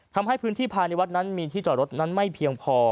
ทำให้พื้นที่ภายในวัดมีถือจอดรถไม่เพียงพอ